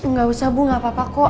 nggak usah bu gak apa apa kok